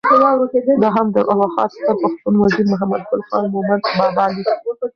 دا هم د ارواښاد ستر پښتون وزیر محمد ګل خان مومند بابا لیک: